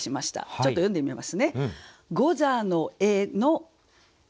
ちょっと読んでみますね。